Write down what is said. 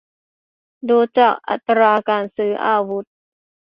ดูจากอัตราการซื้ออาวุธ